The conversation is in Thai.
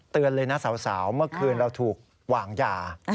เลยนะสาวเมื่อคืนเราถูกวางยา